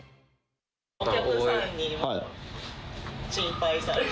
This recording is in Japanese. お客さんにも、心配される。